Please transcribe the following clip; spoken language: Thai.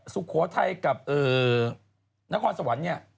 สุโขทัยกับนครสวรรค์เนี่ย